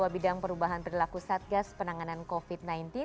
bidang perubahan perilaku satgas penanganan covid sembilan belas